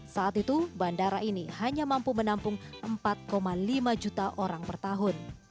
saat itu bandara ini hanya mampu menampung empat lima juta pesawat